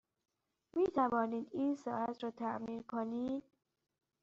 می توانید این ساعت را تعمیر کنید؟